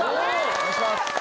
お願いします。